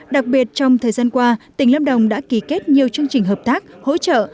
đặc biệt trong thời gian qua tỉnh lâm đồng đã ký kết nhiều chương trình hợp tác hỗ trợ